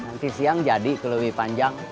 nanti siang jadi kelewipanjang